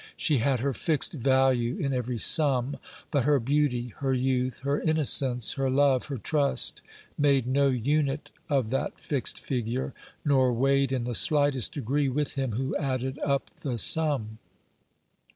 She had her fixed value in every sum; but her beauty, her youth, her innocence, her love, her trust, made no unit of that fixed figure, nor weighed in the slightest degree with him who added up the sum.